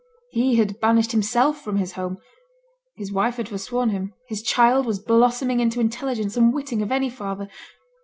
He had banished himself from his home; his wife had forsworn him; his child was blossoming into intelligence unwitting of any father.